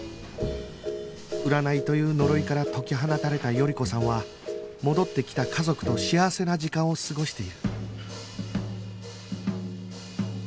占いという呪いから解き放たれた頼子さんは戻ってきた家族と幸せな時間を過ごしている